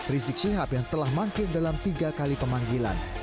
rizik syihab yang telah mangkir dalam tiga kali pemanggilan